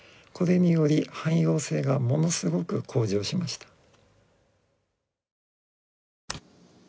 これにより汎用性がものすごく向上しました。